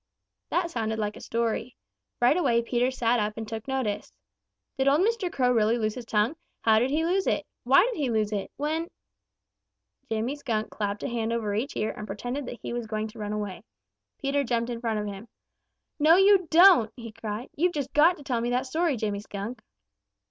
That sounded like a story. Right away Peter sat up and took notice. "Did old Mr. Crow really lose his tongue? How did he lose it? Why did he lose it? When " Jimmy Skunk clapped a hand over each ear and pretended that he was going to run away. Peter jumped in front of him. "No, you don't!" he cried. "You've just got to tell me that story, Jimmy Skunk."